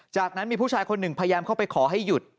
จากนั้นมีผู้ชายคนหนึ่งพยายามเข้าไปขอให้หยุด